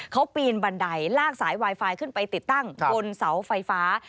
เขาปีนบันไดลากสายไวไฟขึ้นไปติดตั้งบนเสาไฟฟ้า